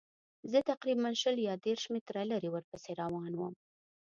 زه تقریباً شل یا دېرش متره لرې ورپسې روان وم.